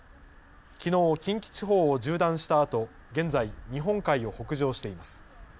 きのう、近畿地方を縦断したあと現在、日本海を北上しています。